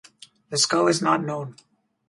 The skull is not known.